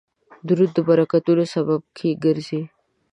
درود د برکتونو سبب ګرځي